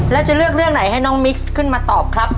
แล้วจะเลือกเรื่องไหนให้น้องมิกซ์ขึ้นมาตอบครับ